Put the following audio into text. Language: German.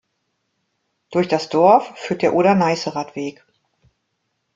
Durch das Dorf führt der Oder-Neiße-Radweg.